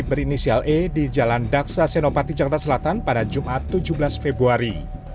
berinisial e di jalan daksa senopati jakarta selatan pada jumat tujuh belas februari